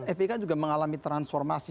fpi kan juga mengalami transformasi